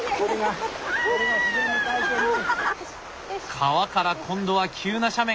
川から今度は急な斜面！